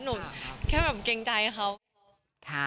หนูแค่แบบเกรงใจเขา